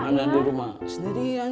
anak di rumah sendirian